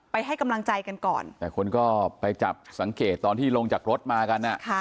ให้กำลังใจกันก่อนแต่คนก็ไปจับสังเกตตอนที่ลงจากรถมากัน